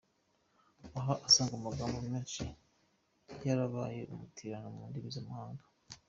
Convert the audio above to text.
Aha asanga amagambo menshi yarabaye amatirano mu ndimi z’amahanga.